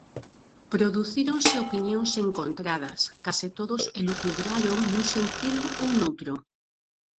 Producíronse opinións encontradas, case todos elucubraron nun sentido ou noutro;